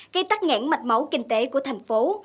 gây tắt ngãn mạch máu kinh tế của thành phố